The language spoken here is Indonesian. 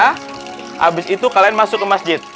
habis itu kalian masuk ke masjid